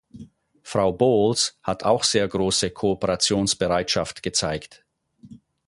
Frau Bowles hat auch sehr große Kooperationsbereitschaft gezeigt.